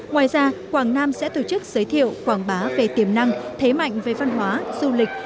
ngoài ra quảng nam sẽ tổ chức giới thiệu quảng bá về tiềm năng thế mạnh về văn hóa du lịch